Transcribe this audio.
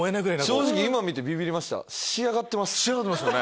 正直今見てビビりました。